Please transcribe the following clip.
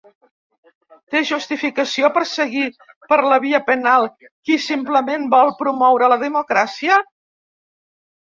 Té justificació perseguir per la via penal qui simplement vol promoure la democràcia?